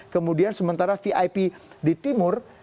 kemudian sementara vip di timur